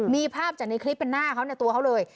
มีภาพจากในคลิปเป็นหน้าเขาในตัวเขาเลย